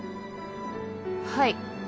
はい。